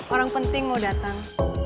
orang penting mau datang